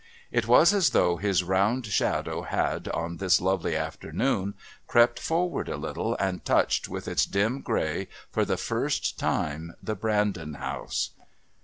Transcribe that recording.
It was as though his round shadow had, on this lovely afternoon, crept forward a little and touched with its dim grey for the first time the Brandon house.